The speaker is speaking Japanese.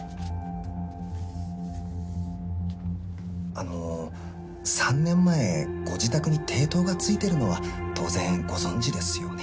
あの３年前ご自宅に抵当が付いてるのは当然ご存じですよね？